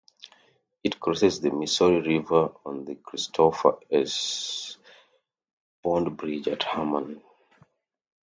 It crosses the Missouri River on the Christopher S. Bond Bridge at Hermann.